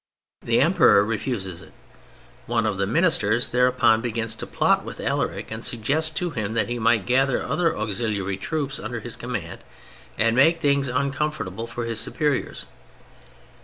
The Emperor refuses it. One of the Ministers thereupon begins to plot with Alaric, and suggests to him that he might gather other auxiliary troops under his command, and make things uncomfortable for his superiors.